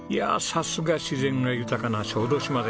さすが自然が豊かな小豆島です。